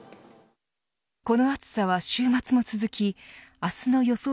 この暑さは週末も続き明日の予想